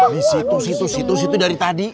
di situ di situ di situ dari tadi